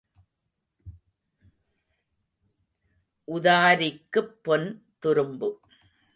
உதாரிக்குப் பொன் துரும்பு.